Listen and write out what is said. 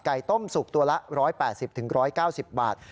ต้มสุกตัวละ๑๘๐๑๙๐บาท